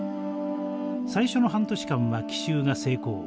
最初の半年間は奇襲が成功。